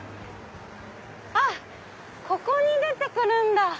あっここに出て来るんだ！